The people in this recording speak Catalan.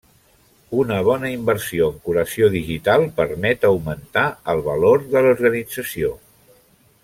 Una bona inversió en curació digital permet augmentar el valor de l'organització.